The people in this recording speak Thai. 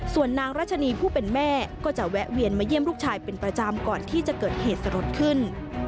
ส่วนนางรัชนีผู้เป็นแม่ก็จะแวะเวียนมาเยี่ยมลูกชายเป็นประจำก่อนที่จะเกิดเหตุสลดขึ้น